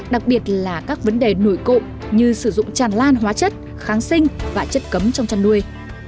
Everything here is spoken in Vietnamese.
đặc biệt là các vấn đề nổi cộng như sử dụng tràn lan hóa chất kháng sinh và chất cấm trong chăn nuôi